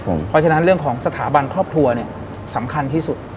เพราะฉะนั้นเรื่องของสถาบันครอบครัวเนี่ยสำคัญที่สุด